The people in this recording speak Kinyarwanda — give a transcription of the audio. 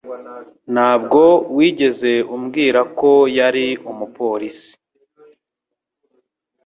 Ntabwo wigeze umbwira ko yari umupolisi.